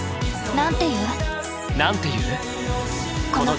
なんて言う？